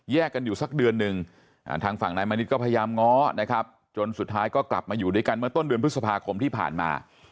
กันอยู่สักเดือนหนึ่งทางฝั่งนายมณิชก็พยายามง้อนะครับจนสุดท้ายก็กลับมาอยู่ด้วยกันเมื่อต้นเดือนพฤษภาคมที่ผ่านมา